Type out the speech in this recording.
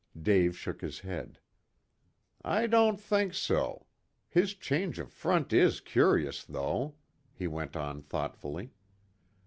Dave shook his head. "I don't think so. His change of front is curious, though," he went on thoughtfully.